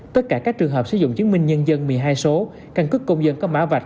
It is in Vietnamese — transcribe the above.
tất cả các trường hợp sử dụng chứng minh nhân dân một mươi hai số căn cức công dân có mã vạch